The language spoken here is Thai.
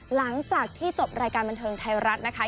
หลังจากที่จบรายการบันเทิงไทยรัฐนะคะ